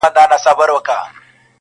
تا يو څو شېبې زما سات دئ راتېر كړى؛